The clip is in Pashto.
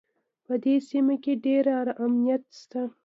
په دې سیمه کې ډېر امنیت شته